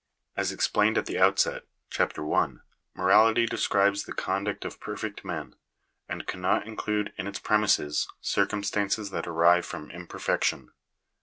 As explained at the outset (Chap. I.), Morality describes the conduct of perfect men; and cannot include in its premises circumstances that arise from imperfection.